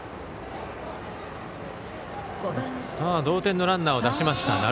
同点のランナーを出しました。